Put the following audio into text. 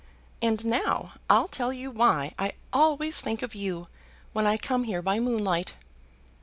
And now I'll tell you why I always think of you when I come here by moonlight."